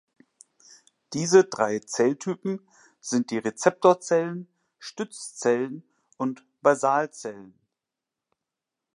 Diese drei Zelltypen sind die Rezeptorzellen, Stützzellen und Basalzellen.